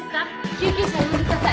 救急車呼んでください。